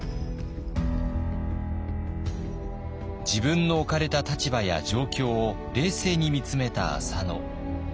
自分の置かれた立場や状況を冷静に見つめた浅野。